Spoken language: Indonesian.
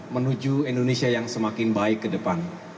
menuju indonesia yang semakin baik ke depan